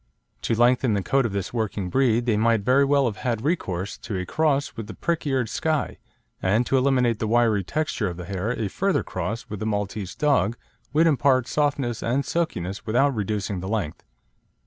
To lengthen the coat of this working breed they might very well have had recourse to a cross with the prick eared Skye, and to eliminate the wiry texture of the hair a further cross with the Maltese dog would impart softness and silkiness without reducing the length.